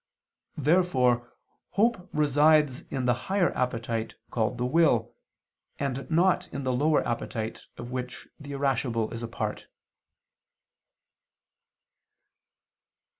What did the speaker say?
Therefore hope resides in the higher appetite called the will, and not in the lower appetite, of which the irascible is a part.